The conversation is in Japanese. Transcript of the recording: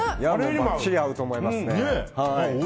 ばっちり合うと思います。